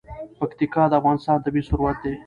پکتیکا د افغانستان طبعي ثروت دی.